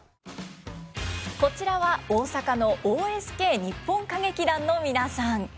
こちらは大阪のＯＳＫ日本歌劇団の皆さん。